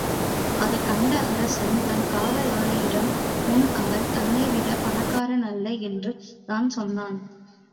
அதுகண்ட அரசன், தன் காவலாளியிடம், முன்பு அவன் தன்னைவிடப் பணக்காரணல்ல என்றுதான் சொன்னான்.